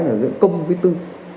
hay là giữa công với tư